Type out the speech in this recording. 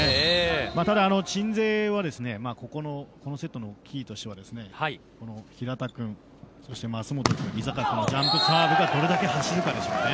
ただ鎮西はこのセットのキーとしては平田君そして、舛本君、井坂君のジャンプサーブがどれだけ走るかですね。